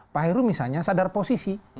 pak heru misalnya sadar posisi